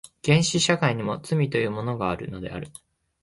原始社会にも罪というものがあるのである。